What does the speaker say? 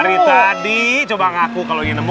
dari tadi coba ngaku kalau ingin nemu